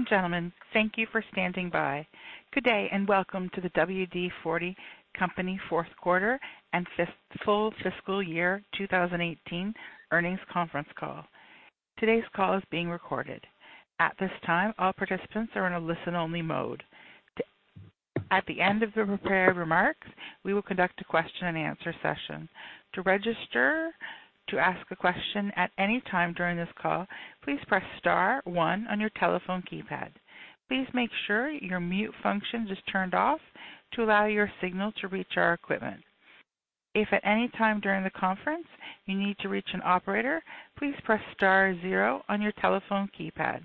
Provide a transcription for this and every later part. Ladies and gentlemen, thank you for standing by. Good day and welcome to the WD-40 Company fourth quarter and full fiscal year 2018 earnings conference call. Today's call is being recorded. At this time, all participants are in a listen-only mode. At the end of the prepared remarks, we will conduct a question and answer session. To register to ask a question at any time during this call, please press star one on your telephone keypad. Please make sure your mute function is turned off to allow your signal to reach our equipment. If at any time during the conference you need to reach an operator, please press star zero on your telephone keypad.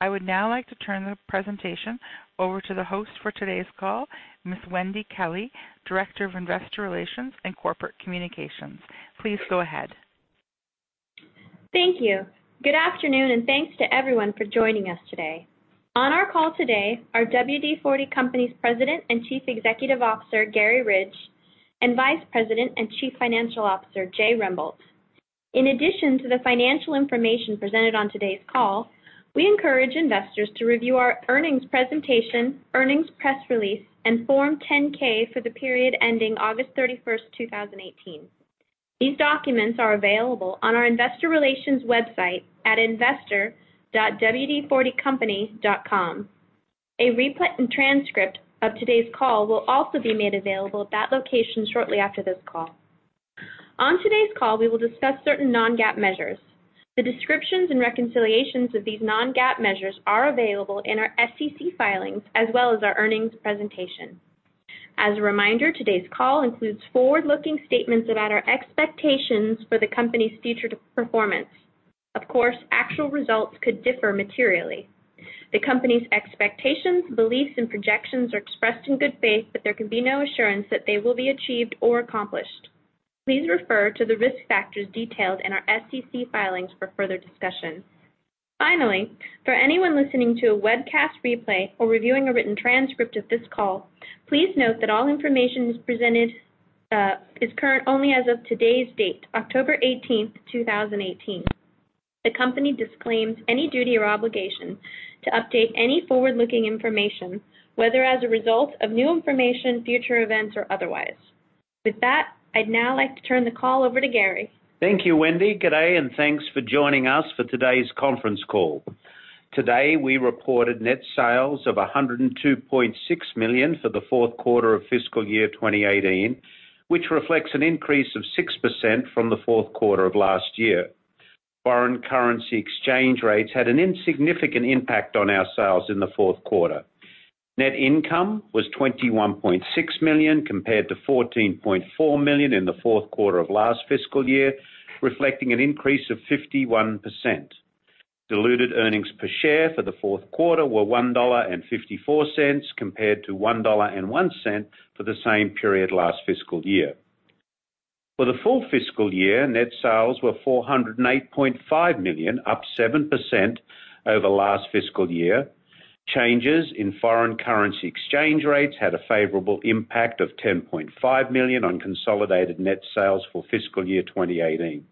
I would now like to turn the presentation over to the host for today's call, Ms. Wendy Kelley, Director of Investor Relations and Corporate Communications. Please go ahead. Thank you. Good afternoon and thanks to everyone for joining us today. On our call today are WD-40 Company's President and Chief Executive Officer, Garry Ridge, and Vice President and Chief Financial Officer, Jay Rembolt. In addition to the financial information presented on today's call, we encourage investors to review our earnings presentation, earnings press release, and Form 10-K for the period ending August 31st, 2018. These documents are available on our investor relations website at investor.wd40company.com. A replay and transcript of today's call will also be made available at that location shortly after this call. On today's call, we will discuss certain non-GAAP measures. The descriptions and reconciliations of these non-GAAP measures are available in our SEC filings as well as our earnings presentation. As a reminder, today's call includes forward-looking statements about our expectations for the company's future performance. Of course, actual results could differ materially. The company's expectations, beliefs, and projections are expressed in good faith, but there can be no assurance that they will be achieved or accomplished. Please refer to the risk factors detailed in our SEC filings for further discussion. Finally, for anyone listening to a webcast replay or reviewing a written transcript of this call, please note that all information is presented, is current only as of today's date, October 18th, 2018. The company disclaims any duty or obligation to update any forward-looking information, whether as a result of new information, future events, or otherwise. With that, I'd now like to turn the call over to Garry. Thank you, Wendy. Good day and thanks for joining us for today's conference call. Today, we reported net sales of $102.6 million for the fourth quarter of fiscal year 2018, which reflects an increase of 6% from the fourth quarter of last year. Foreign currency exchange rates had an insignificant impact on our sales in the fourth quarter. Net income was $21.6 million compared to $14.4 million in the fourth quarter of last fiscal year, reflecting an increase of 51%. Diluted earnings per share for the fourth quarter were $1.54 compared to $1.01 for the same period last fiscal year. For the full fiscal year, net sales were $408.5 million, up 7% over last fiscal year. Changes in foreign currency exchange rates had a favorable impact of $10.5 million on consolidated net sales for fiscal year 2018.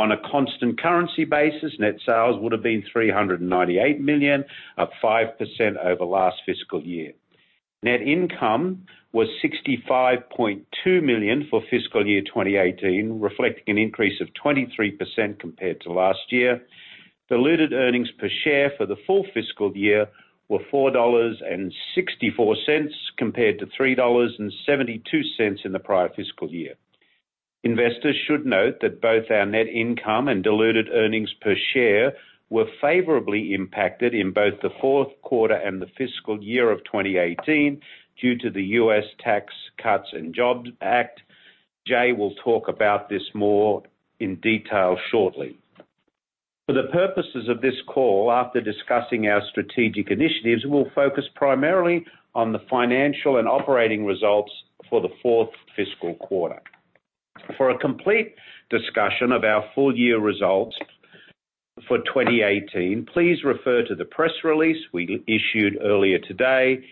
On a constant currency basis, net sales would have been $398 million, up 5% over last fiscal year. Net income was $65.2 million for fiscal year 2018, reflecting an increase of 23% compared to last year. Diluted earnings per share for the full fiscal year were $4.64 compared to $3.72 in the prior fiscal year. Investors should note that both our net income and diluted earnings per share were favorably impacted in both the fourth quarter and the fiscal year of 2018 due to the U.S. Tax Cuts and Jobs Act. Jay will talk about this more in detail shortly. For the purposes of this call, after discussing our strategic initiatives, we'll focus primarily on the financial and operating results for the fourth fiscal quarter. For a complete discussion of our full year results for 2018, please refer to the press release we issued earlier today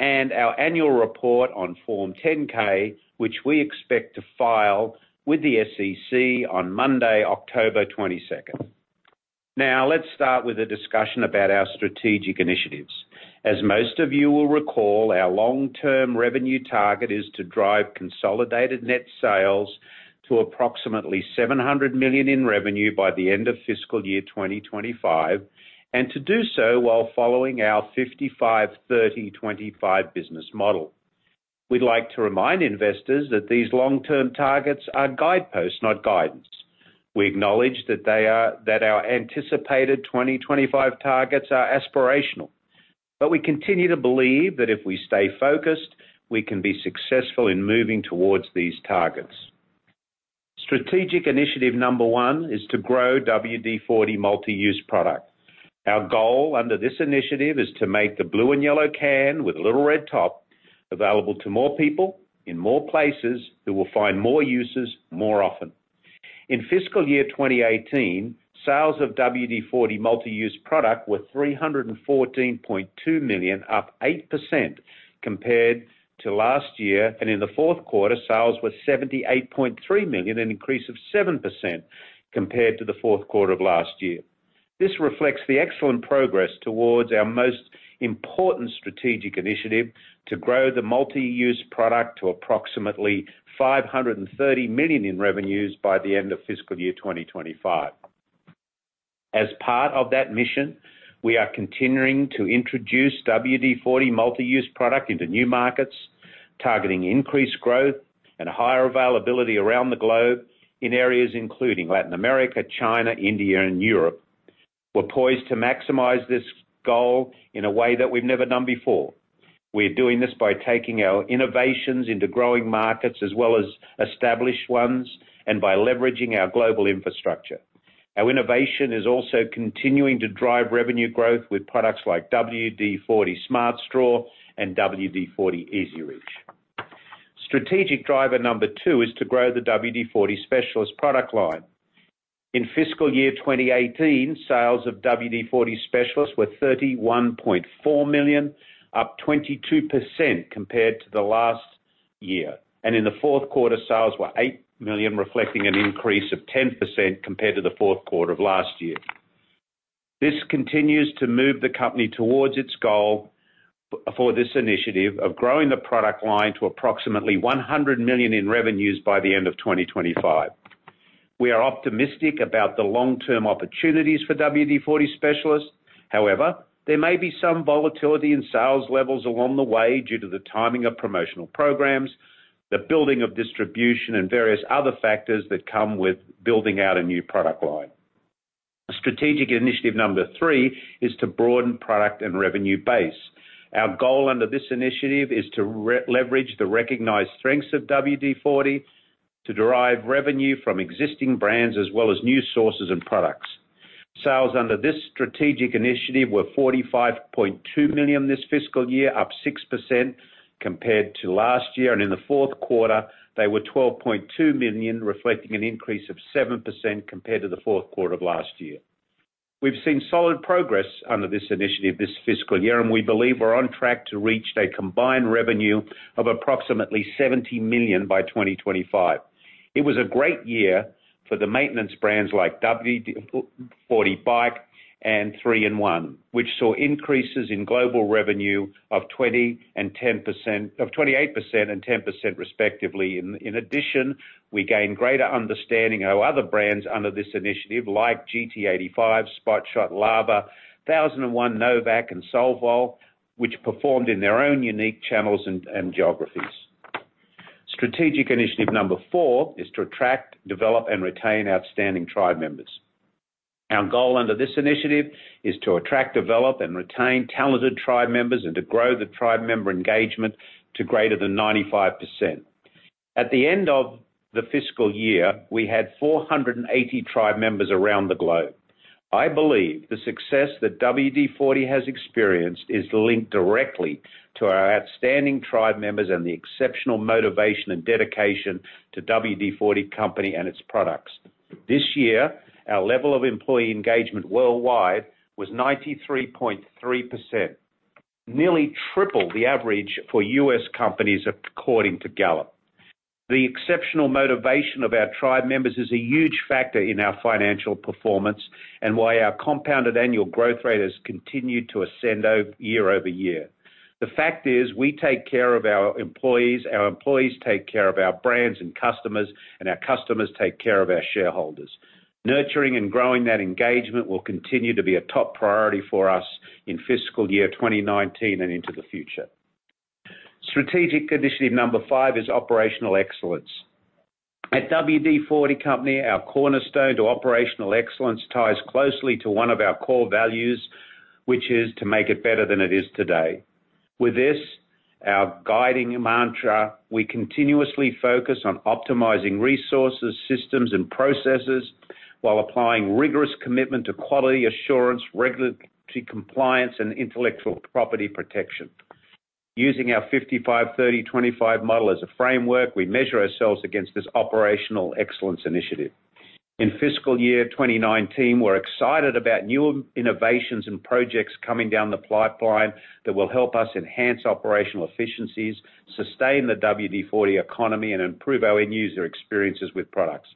and our annual report on Form 10-K, which we expect to file with the SEC on Monday, October 22nd. Let's start with a discussion about our strategic initiatives. As most of you will recall, our long-term revenue target is to drive consolidated net sales to approximately $700 million in revenue by the end of fiscal year 2025, and to do so while following our 55/30/25 business model. We'd like to remind investors that these long-term targets are guideposts, not guidance. We acknowledge that our anticipated 2025 targets are aspirational, but we continue to believe that if we stay focused, we can be successful in moving towards these targets. Strategic initiative number one is to grow WD-40 Multi-Use Product. Our goal under this initiative is to make the blue and yellow can with a little red top available to more people in more places who will find more uses more often. In fiscal year 2018, sales of WD-40 Multi-Use Product were $314.2 million, up 8% compared to last year. In the fourth quarter, sales were $78.3 million, an increase of 7% compared to the fourth quarter of last year. This reflects the excellent progress towards our most important strategic initiative to grow the Multi-Use Product to approximately $530 million in revenues by the end of fiscal year 2025. As part of that mission, we are continuing to introduce WD-40 Multi-Use Product into new markets, targeting increased growth and higher availability around the globe in areas including Latin America, China, India, and Europe. We're poised to maximize this goal in a way that we've never done before. We are doing this by taking our innovations into growing markets as well as established ones, and by leveraging our global infrastructure. Our innovation is also continuing to drive revenue growth with products like WD-40 Smart Straw and WD-40 EZ-Reach. Strategic driver number two is to grow the WD-40 Specialist product line. In fiscal year 2018, sales of WD-40 Specialist were $31.4 million, up 22% compared to the last year. In the fourth quarter, sales were $8 million, reflecting an increase of 10% compared to the fourth quarter of last year. This continues to move the company towards its goal for this initiative of growing the product line to approximately $100 million in revenues by the end of 2025. We are optimistic about the long-term opportunities for WD-40 Specialist. However, there may be some volatility in sales levels along the way due to the timing of promotional programs, the building of distribution, and various other factors that come with building out a new product line. Strategic initiative number three is to broaden product and revenue base. Our goal under this initiative is to leverage the recognized strengths of WD-40 to derive revenue from existing brands as well as new sources and products. Sales under this strategic initiative were $45.2 million this fiscal year, up 6% compared to last year. In the fourth quarter, they were $12.2 million, reflecting an increase of 7% compared to the fourth quarter of last year. We've seen solid progress under this initiative this fiscal year, and we believe we're on track to reach a combined revenue of approximately $70 million by 2025. It was a great year for the maintenance brands like WD-40 BIKE and 3-IN-ONE, which saw increases in global revenue of 28% and 10% respectively. In addition, we gained greater understanding of our other brands under this initiative, like GT85, Spot Shot, Lava, 1001 No Vac, and Solvol, which performed in their own unique channels and geographies. Strategic initiative number four is to attract, develop, and retain outstanding tribe members. Our goal under this initiative is to attract, develop, and retain talented tribe members and to grow the tribe member engagement to greater than 95%. At the end of the fiscal year, we had 480 tribe members around the globe. I believe the success that WD-40 has experienced is linked directly to our outstanding tribe members and the exceptional motivation and dedication to WD-40 Company and its products. This year, our level of employee engagement worldwide was 93.3%, nearly triple the average for U.S. companies, according to Gallup. The exceptional motivation of our tribe members is a huge factor in our financial performance and why our compounded annual growth rate has continued to ascend year-over-year. The fact is, we take care of our employees, our employees take care of our brands and customers, and our customers take care of our shareholders. Nurturing and growing that engagement will continue to be a top priority for us in fiscal year 2019 and into the future. Strategic initiative number five is operational excellence. At WD-40 Company, our cornerstone to operational excellence ties closely to one of our core values, which is to make it better than it is today. With this, our guiding mantra, we continuously focus on optimizing resources, systems, and processes while applying rigorous commitment to quality assurance, regulatory compliance, and intellectual property protection. Using our 55/30/25 model as a framework, we measure ourselves against this operational excellence initiative. In fiscal year 2019, we're excited about new innovations and projects coming down the pipeline that will help us enhance operational efficiencies, sustain the WD-40 economy, and improve our end user experiences with products.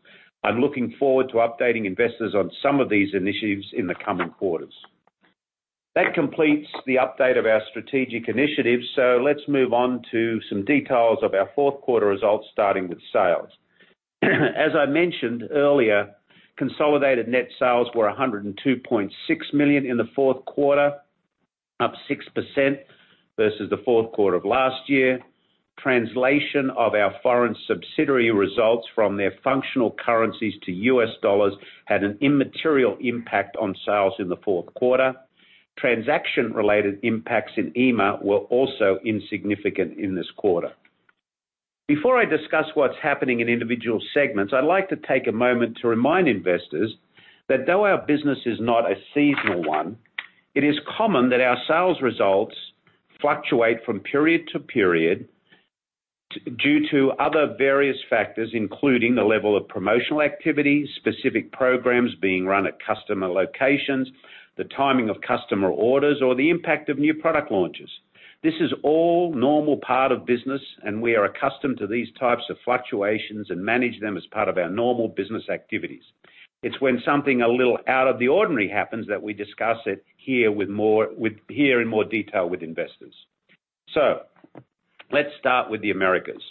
I'm looking forward to updating investors on some of these initiatives in the coming quarters. That completes the update of our strategic initiatives. Let's move on to some details of our fourth quarter results, starting with sales. As I mentioned earlier, consolidated net sales were $102.6 million in the fourth quarter, up 6% versus the fourth quarter of last year. Translation of our foreign subsidiary results from their functional currencies to U.S. dollars had an immaterial impact on sales in the fourth quarter. Transaction-related impacts in EMEA were also insignificant in this quarter. Before I discuss what's happening in individual segments, I'd like to take a moment to remind investors that though our business is not a seasonal one, it is common that our sales results fluctuate from period to period due to other various factors, including the level of promotional activity, specific programs being run at customer locations, the timing of customer orders, or the impact of new product launches. This is all normal part of business, and we are accustomed to these types of fluctuations and manage them as part of our normal business activities. It's when something a little out of the ordinary happens that we discuss it here in more detail with investors. Let's start with the Americas.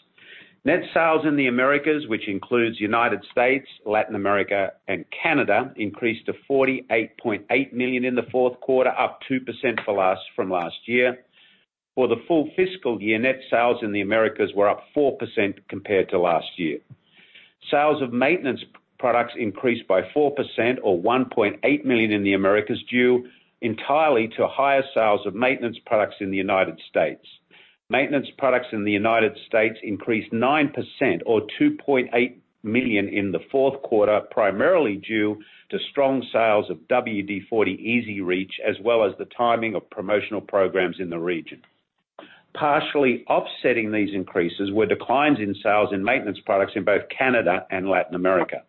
Net sales in the Americas, which includes U.S., Latin America, and Canada, increased to $48.8 million in the fourth quarter, up 2% from last year. For the full fiscal year, net sales in the Americas were up 4% compared to last year. Sales of maintenance products increased by 4% or $1.8 million in the Americas, due entirely to higher sales of maintenance products in the U.S. Maintenance products in the U.S. increased 9% or $2.8 million in the fourth quarter, primarily due to strong sales of WD-40 EZ-Reach, as well as the timing of promotional programs in the region. Partially offsetting these increases were declines in sales in maintenance products in both Canada and Latin America.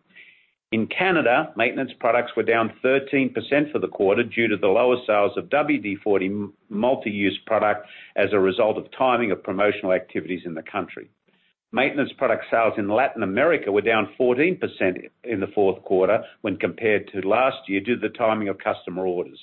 In Canada, maintenance products were down 13% for the quarter due to the lower sales of WD-40 Multi-Use Product as a result of timing of promotional activities in the country. Maintenance product sales in Latin America were down 14% in the fourth quarter when compared to last year, due to the timing of customer orders.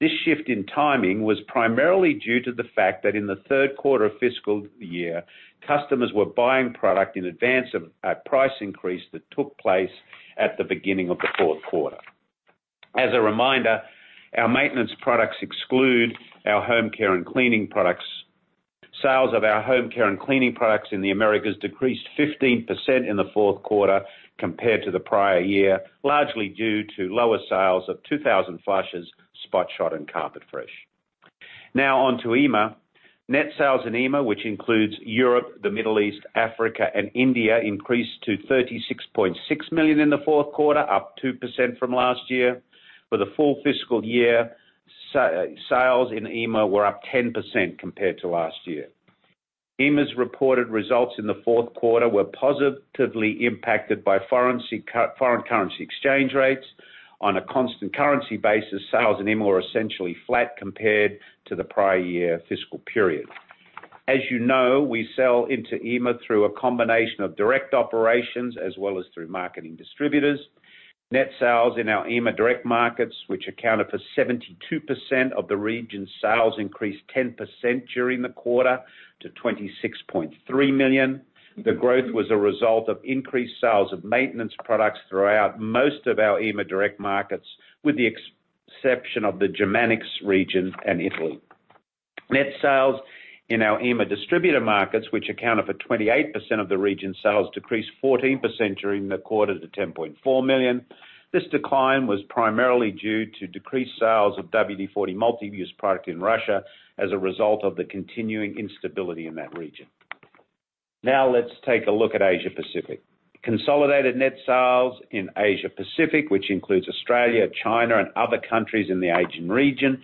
This shift in timing was primarily due to the fact that in the third quarter of fiscal year, customers were buying product in advance of a price increase that took place at the beginning of the fourth quarter. As a reminder, our maintenance products exclude our home care and cleaning products. Sales of our home care and cleaning products in the Americas decreased 15% in the fourth quarter compared to the prior year, largely due to lower sales of 2000 Flushes, Spot Shot, and Carpet Fresh. On to EMEA. Net sales in EMEA, which includes Europe, the Middle East, Africa, and India, increased to $36.6 million in the fourth quarter, up 2% from last year. For the full fiscal year, sales in EMEA were up 10% compared to last year. EMEA's reported results in the fourth quarter were positively impacted by foreign currency exchange rates. On a constant currency basis, sales in EMEA were essentially flat compared to the prior year fiscal period. As you know, we sell into EMEA through a combination of direct operations as well as through marketing distributors. Net sales in our EMEA direct markets, which accounted for 72% of the region's sales, increased 10% during the quarter to $26.3 million. The growth was a result of increased sales of maintenance products throughout most of our EMEA direct markets, with the exception of the Germanics region and Italy. Net sales in our EMEA distributor markets, which accounted for 28% of the region's sales, decreased 14% during the quarter to $10.4 million. This decline was primarily due to decreased sales of WD-40 Multi-Use Product in Russia as a result of the continuing instability in that region. Let's take a look at Asia Pacific. Consolidated net sales in Asia Pacific, which includes Australia, China, and other countries in the Asian region,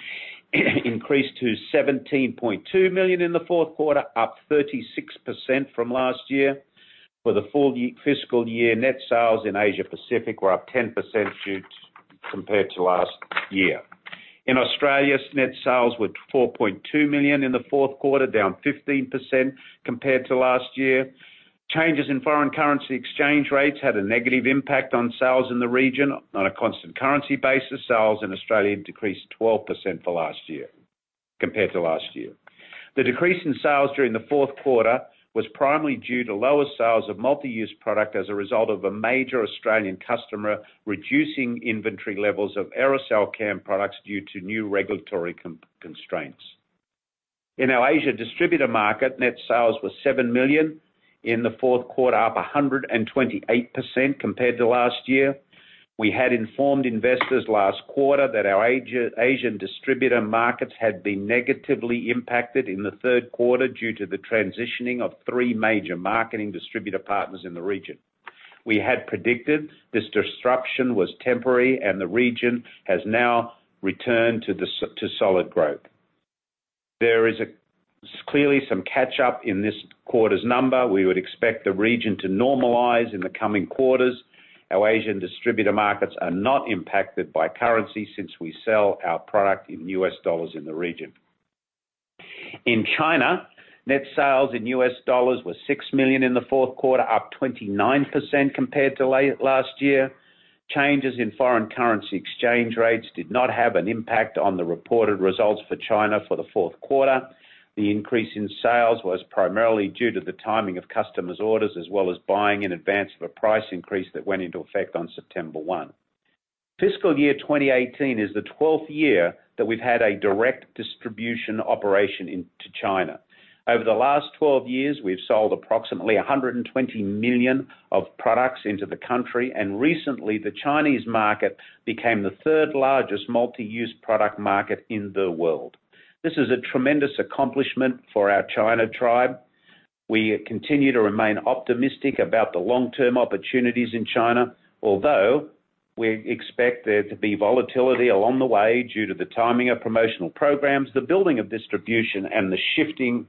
increased to $17.2 million in the fourth quarter, up 36% from last year. For the full fiscal year, net sales in Asia Pacific were up 10% compared to last year. In Australia, net sales were $4.2 million in the fourth quarter, down 15% compared to last year. Changes in foreign currency exchange rates had a negative impact on sales in the region. On a constant currency basis, sales in Australia decreased 12% compared to last year. The decrease in sales during the fourth quarter was primarily due to lower sales of Multi-Use Product as a result of a major Australian customer reducing inventory levels of aerosol can products due to new regulatory constraints. In our Asia distributor market, net sales were $7 million in the fourth quarter, up 128% compared to last year. We had informed investors last quarter that our Asian distributor markets had been negatively impacted in the third quarter due to the transitioning of three major marketing distributor partners in the region. We had predicted this disruption was temporary and the region has now returned to solid growth. There is clearly some catch-up in this quarter's number. We would expect the region to normalize in the coming quarters. Our Asian distributor markets are not impacted by currency since we sell our product in US dollars in the region. In China, net sales in US dollars were $6 million in the fourth quarter, up 29% compared to last year. Changes in foreign currency exchange rates did not have an impact on the reported results for China for the fourth quarter. The increase in sales was primarily due to the timing of customers' orders, as well as buying in advance of a price increase that went into effect on September 1. Fiscal year 2018 is the 12th year that we've had a direct distribution operation into China. Over the last 12 years, we've sold approximately $120 million of products into the country, and recently the Chinese market became the third-largest Multi-Use Product market in the world. This is a tremendous accomplishment for our China tribe. We continue to remain optimistic about the long-term opportunities in China, although we expect there to be volatility along the way due to the timing of promotional programs, the building of distribution, and the shifting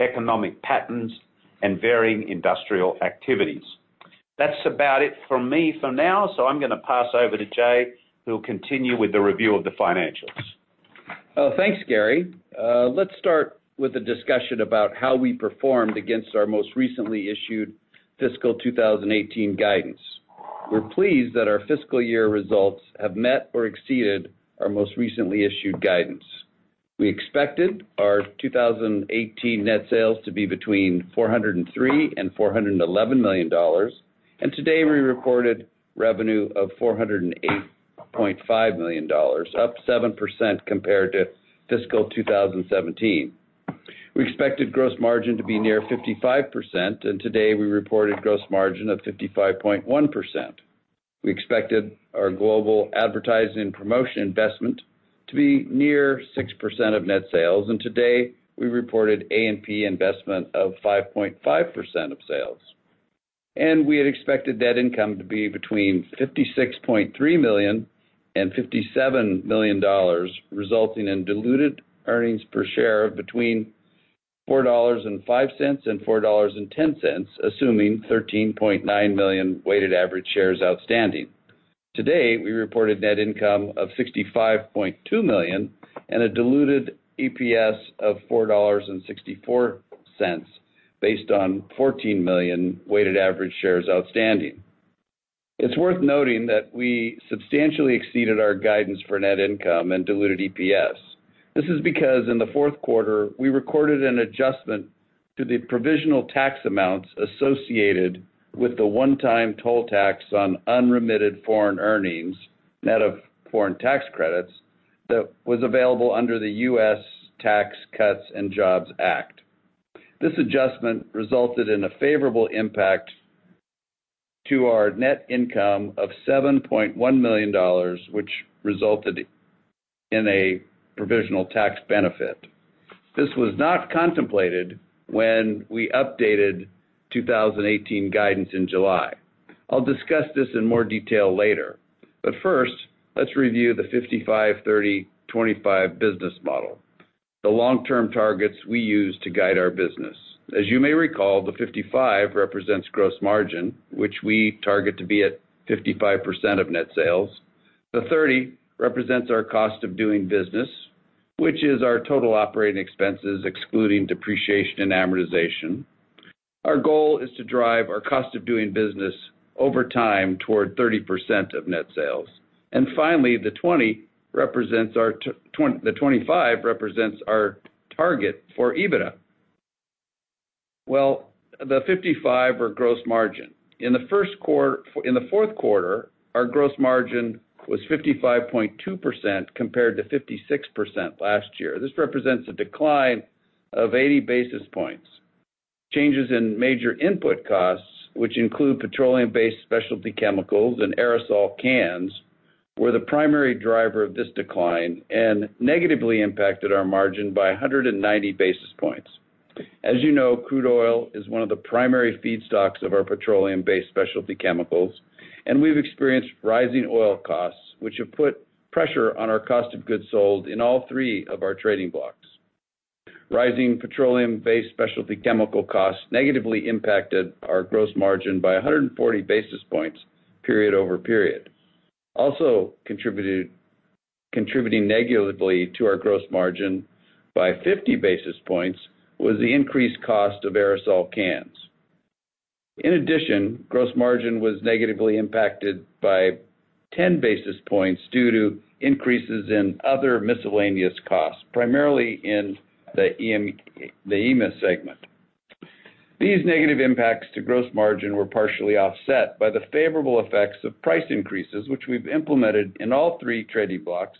economic patterns and varying industrial activities. That's about it from me for now. I'm going to pass over to Jay, who will continue with the review of the financials. Thanks, Garry. Let's start with a discussion about how we performed against our most recently issued fiscal 2018 guidance. We're pleased that our fiscal year results have met or exceeded our most recently issued guidance. We expected our 2018 net sales to be between $403 and $411 million. Today, we recorded revenue of $408.5 million, up 7% compared to fiscal 2017. We expected gross margin to be near 55%, today we reported gross margin of 55.1%. We expected our global advertising promotion investment to be near 6% of net sales, today we reported A&P investment of 5.5% of sales. We had expected net income to be between $56.3 million and $57 million, resulting in diluted earnings per share of between $4.05 and $4.10, assuming 13.9 million weighted average shares outstanding. Today, we reported net income of $65.2 million and a diluted EPS of $4.64, based on 14 million weighted average shares outstanding. It's worth noting that we substantially exceeded our guidance for net income and diluted EPS. This is because in the fourth quarter, we recorded an adjustment to the provisional tax amounts associated with the one-time toll tax on unremitted foreign earnings, net of foreign tax credits, that was available under the U.S. Tax Cuts and Jobs Act. This adjustment resulted in a favorable impact to our net income of $7.1 million, which resulted in a provisional tax benefit. This was not contemplated when we updated 2018 guidance in July. I'll discuss this in more detail later. First, let's review the 55/30/25 business model, the long-term targets we use to guide our business. As you may recall, the 55 represents gross margin, which we target to be at 55% of net sales. The 30 represents our cost of doing business, which is our total operating expenses, excluding depreciation and amortization. Our goal is to drive our cost of doing business over time toward 30% of net sales. Finally, the 25 represents our target for EBITDA. The 55 or gross margin. In the fourth quarter, our gross margin was 55.2% compared to 56% last year. This represents a decline of 80 basis points. Changes in major input costs, which include petroleum-based specialty chemicals and aerosol cans, were the primary driver of this decline and negatively impacted our margin by 190 basis points. As you know, crude oil is one of the primary feedstocks of our petroleum-based specialty chemicals, we've experienced rising oil costs, which have put pressure on our cost of goods sold in all three of our trading blocks. Rising petroleum-based specialty chemical costs negatively impacted our gross margin by 140 basis points period over period. Also contributing negatively to our gross margin by 50 basis points was the increased cost of aerosol cans. In addition, gross margin was negatively impacted by 10 basis points due to increases in other miscellaneous costs, primarily in the EMEA segment. These negative impacts to gross margin were partially offset by the favorable effects of price increases, which we've implemented in all three trading blocks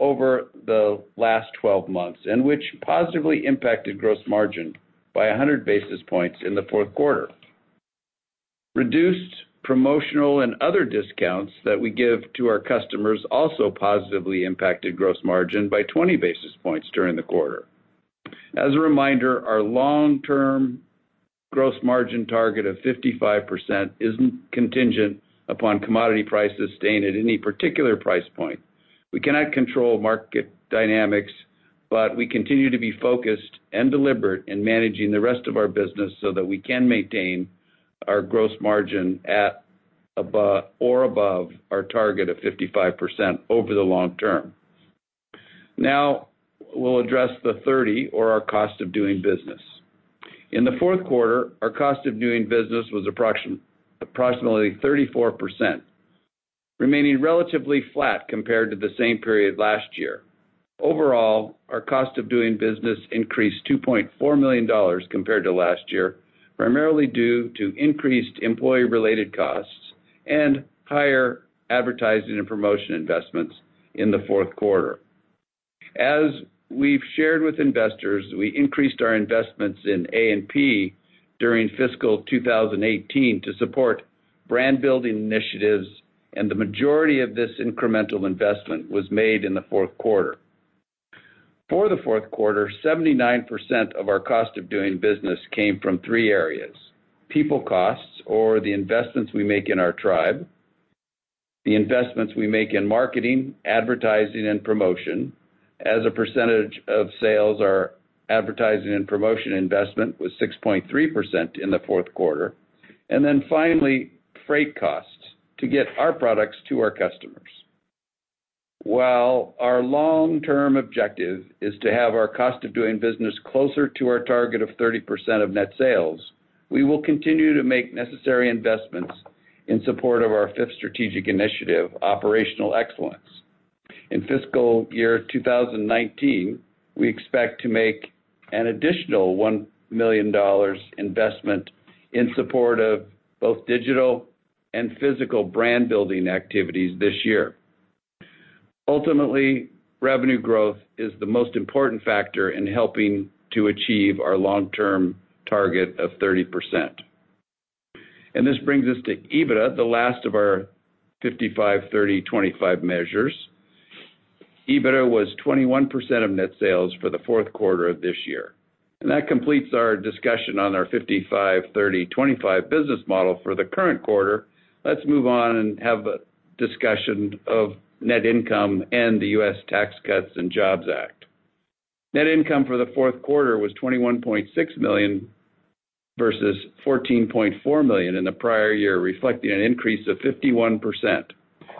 over the last 12 months, which positively impacted gross margin by 100 basis points in the fourth quarter. Reduced promotional and other discounts that we give to our customers also positively impacted gross margin by 20 basis points during the quarter. As a reminder, our long-term gross margin target of 55% is not contingent upon commodity prices staying at any particular price point. We cannot control market dynamics, but we continue to be focused and deliberate in managing the rest of our business so that we can maintain our gross margin at or above our target of 55% over the long term. Now we will address the 30, or our cost of doing business. In the fourth quarter, our cost of doing business was approximately 34%, remaining relatively flat compared to the same period last year. Overall, our cost of doing business increased $2.4 million compared to last year, primarily due to increased employee-related costs and higher advertising and promotion investments in the fourth quarter. As we have shared with investors, we increased our investments in A&P during fiscal 2018 to support brand-building initiatives, and the majority of this incremental investment was made in the fourth quarter. For the fourth quarter, 79% of our cost of doing business came from three areas. People costs, or the investments we make in our tribe. The investments we make in marketing, advertising, and promotion as a percentage of sales, our advertising and promotion investment was 6.3% in the fourth quarter. Then finally, freight costs to get our products to our customers. While our long-term objective is to have our cost of doing business closer to our target of 30% of net sales, we will continue to make necessary investments in support of our fifth strategic initiative, operational excellence. In fiscal year 2019, we expect to make an additional $1 million investment in support of both digital and physical brand-building activities this year. Ultimately, revenue growth is the most important factor in helping to achieve our long-term target of 30%. This brings us to EBITDA, the last of our 55/30/25 measures. EBITDA was 21% of net sales for the fourth quarter of this year. That completes our discussion on our 55/30/25 business model for the current quarter. Let us move on and have a discussion of net income and the U.S. Tax Cuts and Jobs Act. Net income for the fourth quarter was $21.6 million versus $14.4 million in the prior year, reflecting an increase of 51%.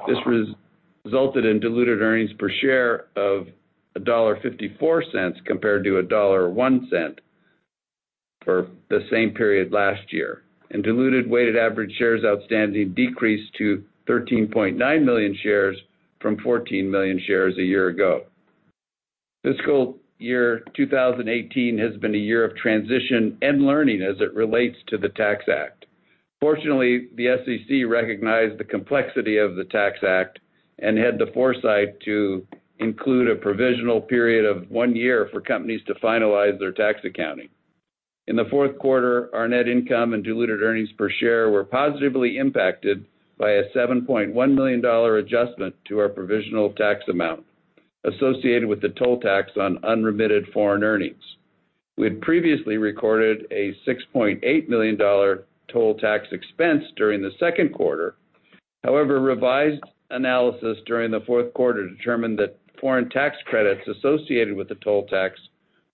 This resulted in diluted earnings per share of $1.54 compared to $1.01 for the same period last year. Diluted weighted average shares outstanding decreased to 13.9 million shares from 14 million shares a year ago. Fiscal year 2018 has been a year of transition and learning as it relates to the Tax Act. Fortunately, the SEC recognized the complexity of the Tax Act and had the foresight to include a provisional period of one year for companies to finalize their tax accounting. In the fourth quarter, our net income and diluted earnings per share were positively impacted by a $7.1 million adjustment to our provisional tax amount associated with the toll tax on unremitted foreign earnings. We had previously recorded a $6.8 million toll tax expense during the second quarter. However, revised analysis during the fourth quarter determined that foreign tax credits associated with the toll tax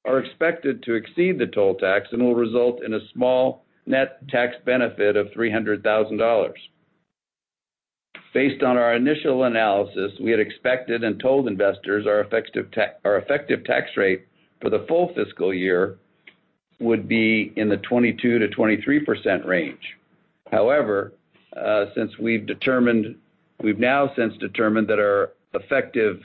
are expected to exceed the toll tax and will result in a small net tax benefit of $300,000. Based on our initial analysis, we had expected and told investors our effective tax rate for the full fiscal year would be in the 22%-23% range. However, since we've now since determined that our effective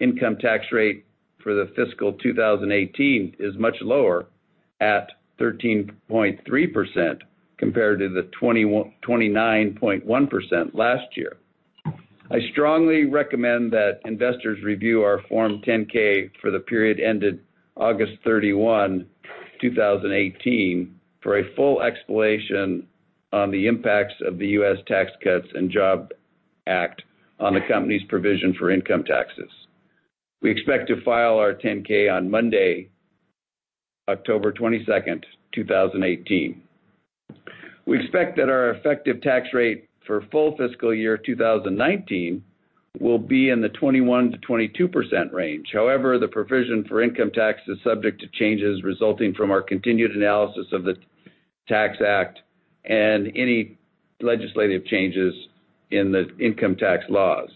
income tax rate for the fiscal 2018 is much lower at 13.3% compared to the 29.1% last year. I strongly recommend that investors review our Form 10-K for the period ended August 31, 2018, for a full explanation on the impacts of the U.S. Tax Cuts and Jobs Act on the company's provision for income taxes. We expect to file our 10-K on Monday, October 22nd, 2018. We expect that our effective tax rate for full fiscal year 2019 will be in the 21%-22% range. The provision for income tax is subject to changes resulting from our continued analysis of the Tax Act and any legislative changes in the income tax laws.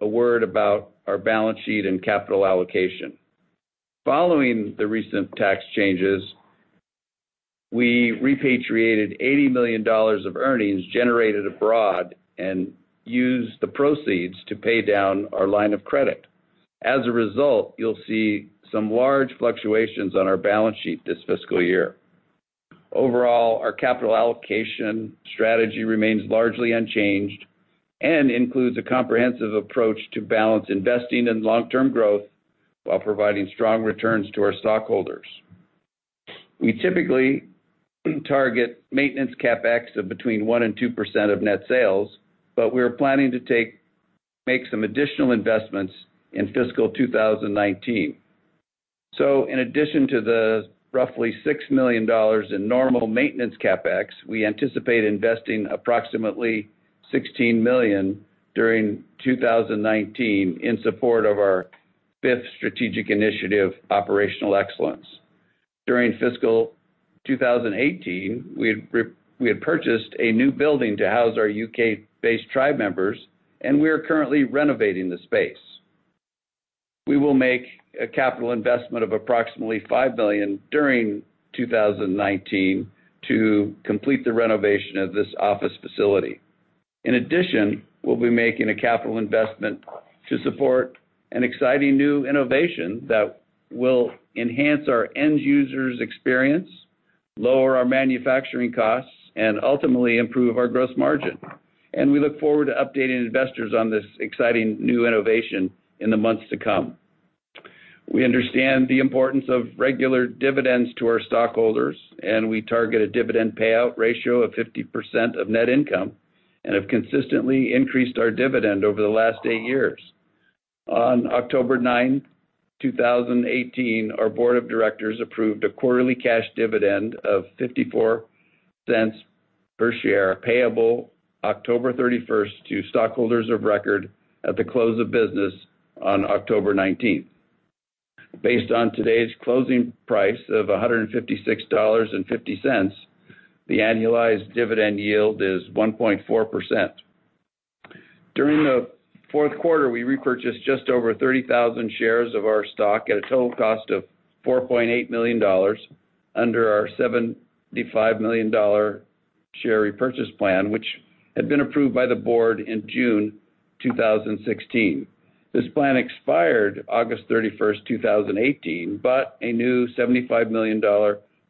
A word about our balance sheet and capital allocation. Following the recent tax changes, we repatriated $80 million of earnings generated abroad and used the proceeds to pay down our line of credit. As a result, you'll see some large fluctuations on our balance sheet this fiscal year. Overall, our capital allocation strategy remains largely unchanged and includes a comprehensive approach to balance investing and long-term growth while providing strong returns to our stockholders. We typically target maintenance CapEx of between 1% and 2% of net sales, but we're planning to make some additional investments in fiscal 2019. In addition to the roughly $6 million in normal maintenance CapEx, we anticipate investing approximately $16 million during 2019 in support of our fifth strategic initiative, operational excellence. During fiscal 2018, we had purchased a new building to house our U.K.-based tribe members, and we are currently renovating the space. We will make a capital investment of approximately $5 million during 2019 to complete the renovation of this office facility. In addition, we'll be making a capital investment to support an exciting new innovation that will enhance our end users' experience, lower our manufacturing costs, and ultimately improve our gross margin. We look forward to updating investors on this exciting new innovation in the months to come. We understand the importance of regular dividends to our stockholders. We target a dividend payout ratio of 50% of net income and have consistently increased our dividend over the last eight years. On October 9, 2018, our board of directors approved a quarterly cash dividend of $0.54 per share, payable October 31st to stockholders of record at the close of business on October 19th. Based on today's closing price of $156.50, the annualized dividend yield is 1.4%. During the fourth quarter, we repurchased just over 30,000 shares of our stock at a total cost of $4.8 million under our $75 million share repurchase plan, which had been approved by the board in June 2016. This plan expired August 31st, 2018, but a new $75 million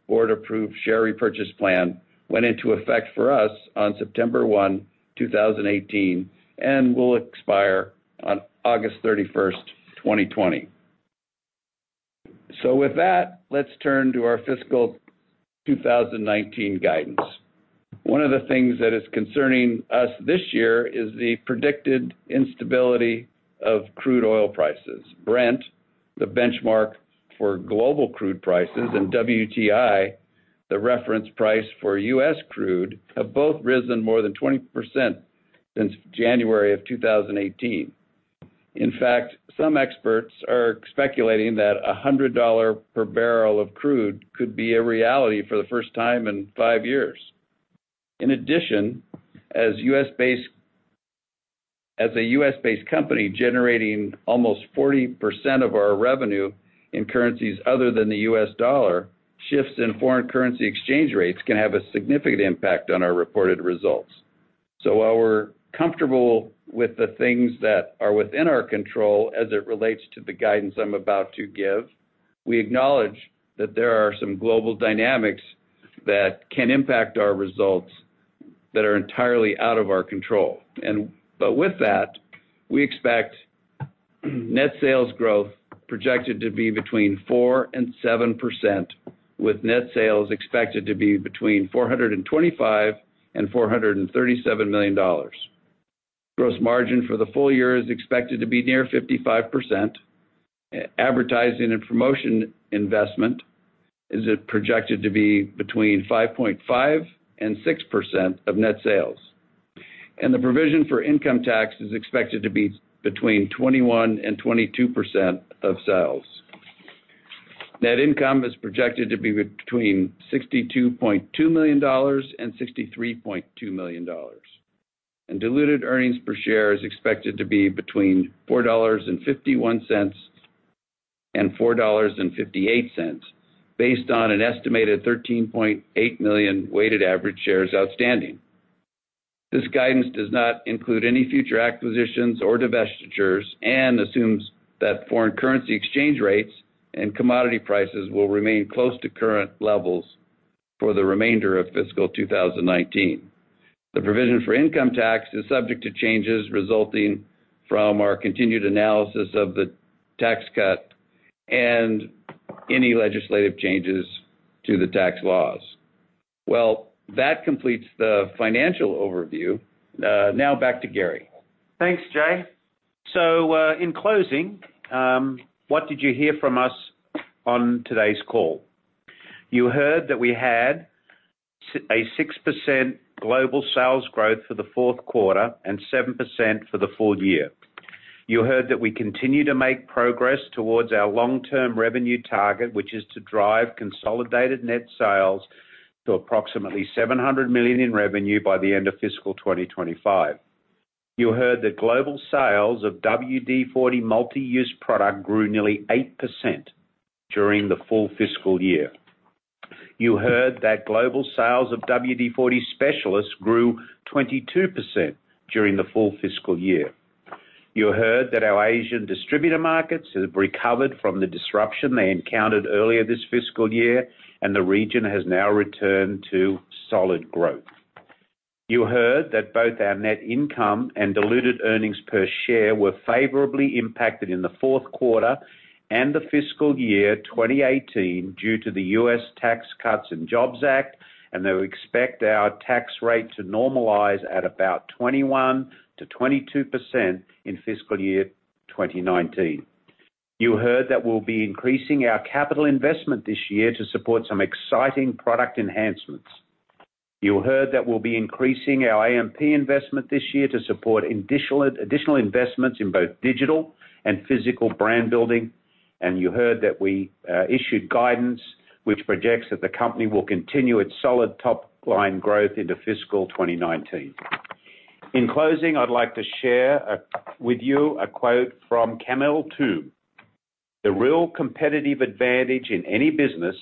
board-approved share repurchase plan went into effect for us on September 1, 2018, and will expire on August 31st, 2020. With that, let's turn to our fiscal 2019 guidance. One of the things that is concerning us this year is the predicted instability of crude oil prices. Brent, the benchmark for global crude prices, and WTI, the reference price for U.S. crude, have both risen more than 20% since January of 2018. In fact, some experts are speculating that $100 per barrel of crude could be a reality for the first time in five years. In addition, as a U.S.-based company generating almost 40% of our revenue in currencies other than the U.S. dollar, shifts in foreign currency exchange rates can have a significant impact on our reported results. While we're comfortable with the things that are within our control as it relates to the guidance I'm about to give, we acknowledge that there are some global dynamics that can impact our results that are entirely out of our control. With that, we expect net sales growth projected to be between 4% and 7%, with net sales expected to be between $425 million and $437 million. Gross margin for the full year is expected to be near 55%. Advertising and promotion investment is projected to be between 5.5% and 6% of net sales. The provision for income tax is expected to be between 21% and 22% of sales. Net income is projected to be between $62.2 million and $63.2 million, and diluted earnings per share is expected to be between $4.51 and $4.58 based on an estimated 13.8 million weighted average shares outstanding. This guidance does not include any future acquisitions or divestitures and assumes that foreign currency exchange rates and commodity prices will remain close to current levels for the remainder of fiscal 2019. The provision for income tax is subject to changes resulting from our continued analysis of the tax cut and any legislative changes to the tax laws. That completes the financial overview. Now back to Garry. Thanks, Jay. In closing, what did you hear from us on today's call? You heard that we had a 6% global sales growth for the fourth quarter and 7% for the full year. You heard that we continue to make progress towards our long-term revenue target, which is to drive consolidated net sales to approximately $700 million in revenue by the end of fiscal 2025. You heard that global sales of WD-40 Multi-Use Product grew nearly 8% during the full fiscal year. You heard that global sales of WD-40 Specialist grew 22% during the full fiscal year. You heard that our Asian distributor markets have recovered from the disruption they encountered earlier this fiscal year, and the region has now returned to solid growth. You heard that both our net income and diluted earnings per share were favorably impacted in the fourth quarter and the fiscal year 2018 due to the U.S. Tax Cuts and Jobs Act, that we expect our tax rate to normalize at about 21%-22% in fiscal year 2019. You heard that we'll be increasing our capital investment this year to support some exciting product enhancements. You heard that we'll be increasing our A&P investment this year to support additional investments in both digital and physical brand building, you heard that we issued guidance which projects that the company will continue its solid top-line growth into fiscal 2019. In closing, I'd like to share with you a quote from Kamal Al-Faqih, "The real competitive advantage in any business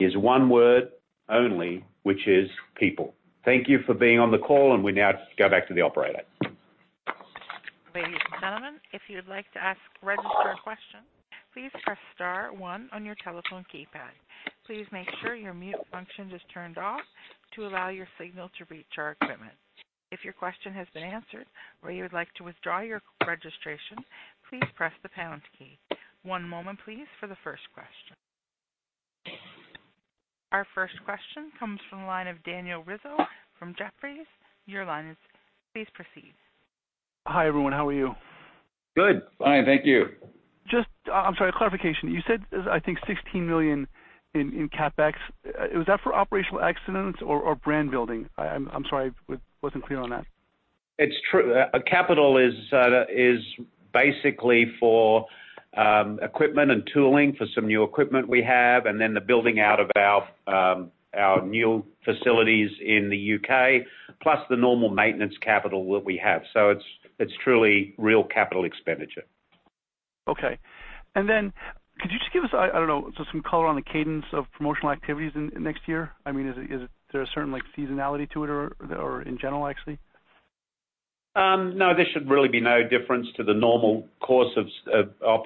is one word only, which is people." Thank you for being on the call, we now go back to the operator. Ladies and gentlemen, if you would like to register a question, please press *1 on your telephone keypad. Please make sure your mute function is turned off to allow your signal to reach our equipment. If your question has been answered or you would like to withdraw your registration, please press the # key. One moment, please, for the first question. Our first question comes from the line of Daniel Rizzo from Jefferies. Your line is, please proceed. Hi, everyone. How are you? Good. Fine, thank you. Just, I'm sorry, clarification. You said, I think $16 million in CapEx. Was that for operational excellence or brand building? I'm sorry, it wasn't clear on that. It's true. Capital is basically for equipment and tooling for some new equipment we have, and then the building out of our new facilities in the U.K., plus the normal maintenance capital that we have. It's truly real capital expenditure. Okay. Could you just give us, I don't know, some color on the cadence of promotional activities in next year? Is there a certain seasonality to it or in general, actually? No, there should really be no difference to the normal course of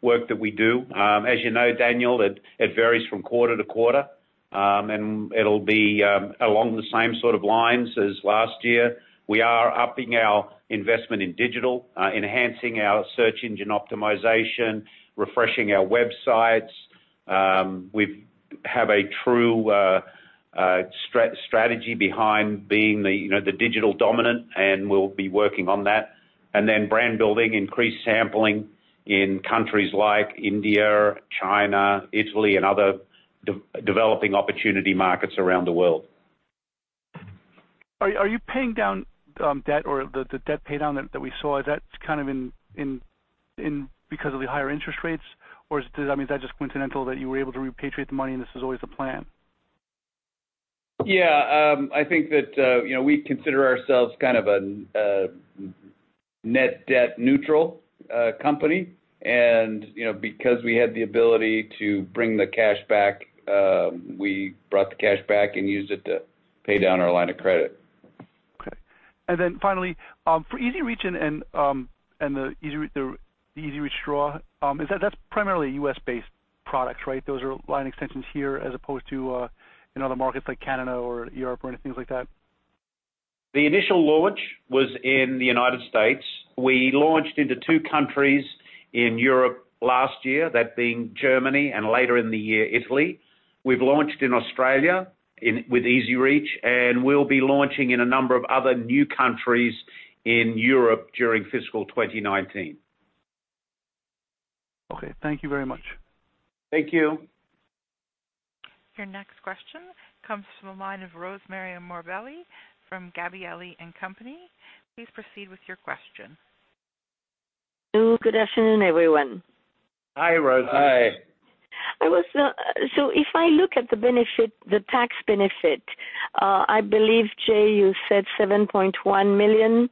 work that we do. As you know, Daniel, it varies from quarter to quarter. It'll be along the same sort of lines as last year. We are upping our investment in digital, enhancing our search engine optimization, refreshing our websites. We have a true strategy behind being the digital dominant, and we'll be working on that. Brand building, increased sampling in countries like India, China, Italy, and other developing opportunity markets around the world. Are you paying down debt or the debt pay down that we saw? Is that kind of because of the higher interest rates? Does that mean is that just coincidental that you were able to repatriate the money and this was always the plan? Yeah. I think that we consider ourselves kind of a net debt neutral company. Because we had the ability to bring the cash back, we brought the cash back and used it to pay down our line of credit. Okay. Finally, for Easy Reach and the Easy Reach Straw, that's primarily U.S.-based products, right? Those are line extensions here as opposed to in other markets like Canada or Europe or anything like that. The initial launch was in the U.S. We launched into two countries in Europe last year, that being Germany, and later in the year, Italy. We've launched in Australia with WD-40 EZ-Reach, and we'll be launching in a number of other new countries in Europe during fiscal 2019. Okay. Thank you very much. Thank you. Your next question comes from the line of Rosemarie Morbelli from Gabelli & Company. Please proceed with your question. Good afternoon, everyone. Hi, Rose. Hi. If I look at the tax benefit, I believe, Jay, you said $7.1 million-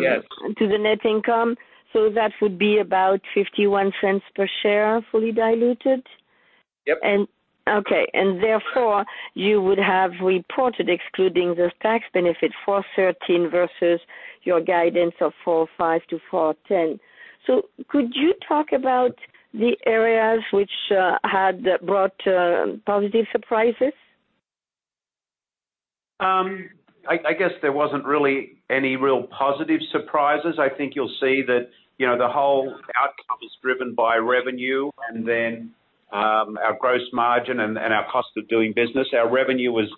Yes to the net income. That would be about $0.51 per share, fully diluted? Yep. Okay. Therefore, you would have reported excluding the tax benefit, $4.13 versus your guidance of $4.05-$4.10. Could you talk about the areas which had brought positive surprises? I guess there wasn't really any real positive surprises. I think you'll see that the whole outcome is driven by revenue and then our gross margin and our cost of doing business. Our revenue was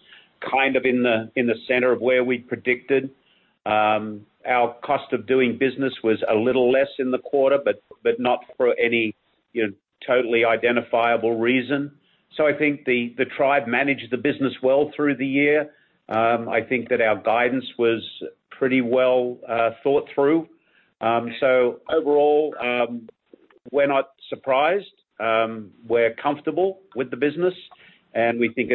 kind of in the center of where we predicted. Our cost of doing business was a little less in the quarter, but not for any totally identifiable reason. I think the tribe managed the business well through the year. I think that our guidance was pretty well thought through. Overall, we're not surprised. We're comfortable with the business, and we think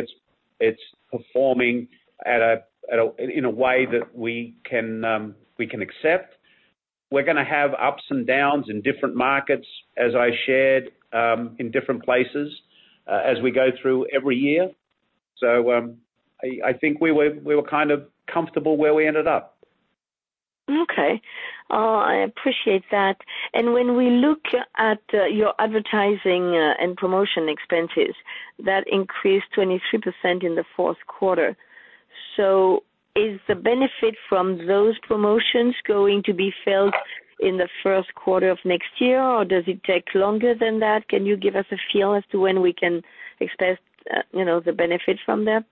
it's performing in a way that we can accept. We're going to have ups and downs in different markets, as I shared, in different places, as we go through every year. I think we were kind of comfortable where we ended up. Okay. I appreciate that. When we look at your advertising and promotion expenses, that increased 23% in the fourth quarter. Is the benefit from those promotions going to be felt in the first quarter of next year, or does it take longer than that? Can you give us a feel as to when we can expect the benefit from them?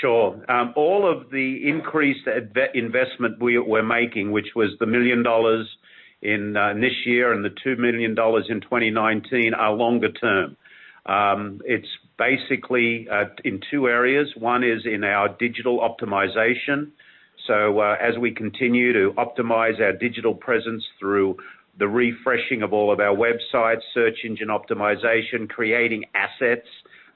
Sure. All of the increased investment we're making, which was the $1 million in this year and the $2 million in 2019, are longer term. It's basically in two areas. One is in our digital optimization. As we continue to optimize our digital presence through the refreshing of all of our websites, search engine optimization, creating assets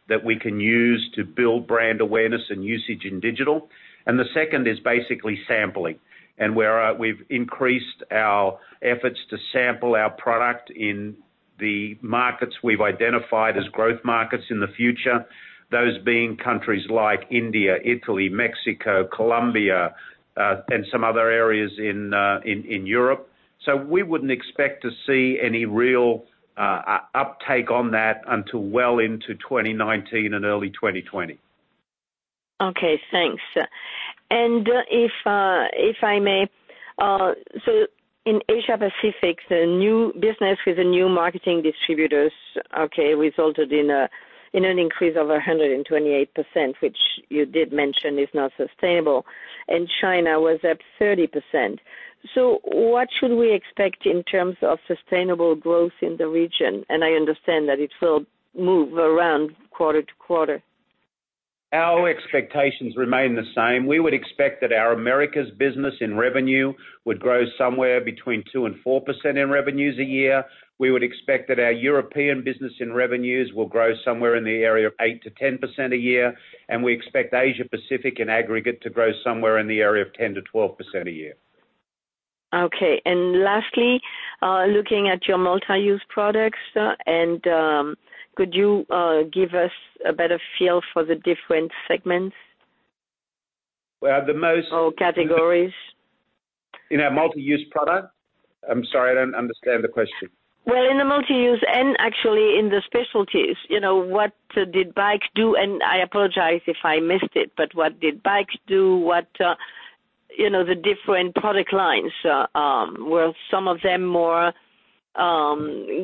that we can use to build brand awareness and usage in digital. The second is basically sampling. Where we've increased our efforts to sample our product in the markets we've identified as growth markets in the future, those being countries like India, Italy, Mexico, Colombia, and some other areas in Europe. We wouldn't expect to see any real uptake on that until well into 2019 and early 2020. Okay, thanks. If I may, in Asia Pacific, the new business with the new marketing distributors resulted in an increase of 128%, which you did mention is not sustainable, and China was up 30%. What should we expect in terms of sustainable growth in the region? I understand that it will move around quarter to quarter. Our expectations remain the same. We would expect that our Americas business in revenue would grow somewhere between 2%-4% in revenues a year. We would expect that our European business in revenues will grow somewhere in the area of 8%-10% a year, and we expect Asia Pacific in aggregate to grow somewhere in the area of 10%-12% a year. Okay. Lastly, looking at your multi-use products, could you give us a better feel for the different segments? Well. categories. In our Multi-Use Product? I'm sorry, I don't understand the question. Well, in the Multi-Use and actually in the Specialist. What did BIKE do? I apologize if I missed it, what did BIKE do? The different product lines, were some of them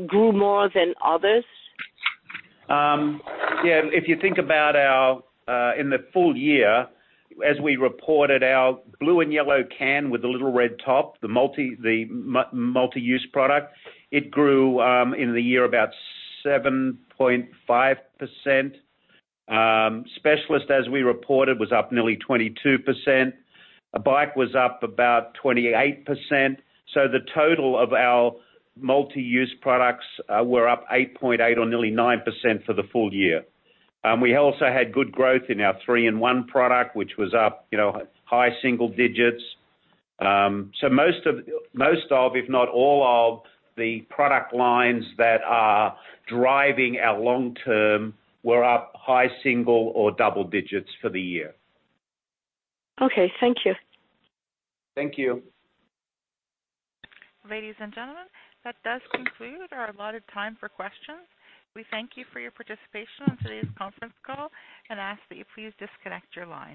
grew more than others? Yeah. If you think about in the full year, as we reported, our blue and yellow can with the little red top, the Multi-Use Product, it grew in the year about 7.5%. Specialist, as we reported, was up nearly 22%. BIKE was up about 28%. The total of our Multi-Use Products were up 8.8% or nearly 9% for the full year. We also had good growth in our 3-IN-ONE product, which was up high single digits. Most of, if not all of, the product lines that are driving our long term were up high single or double digits for the year. Okay. Thank you. Thank you. Ladies and gentlemen, that does conclude our allotted time for questions. We thank you for your participation on today's conference call and ask that you please disconnect your lines.